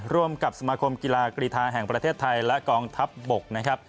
ร่วมกับสมาคมกีฬากรีธาแห่งประเทศไทยและกองทัพบกนะครับ